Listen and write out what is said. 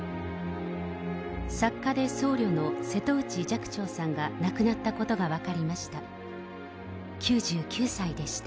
作家で僧侶の瀬戸内寂聴さんが亡くなったことが分かりました。